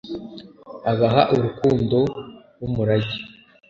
abaha urukundo h'umurage